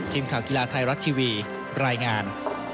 ทีมข่าวกีฬาไทยรัฐทีวีรายงาน